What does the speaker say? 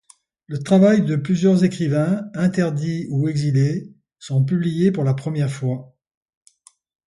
Le travail de plusieurs écrivains interdits ou exilés sont publiés pour la première fois.